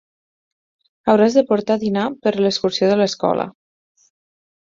Hauràs de portar dinar per a l'excursió de l'escola.